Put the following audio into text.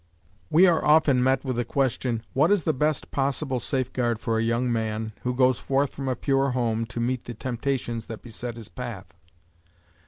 We are often met with the question, "What is the best possible safeguard for a young man, who goes forth from a pure home, to meet the temptations that beset his path?"